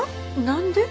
何で？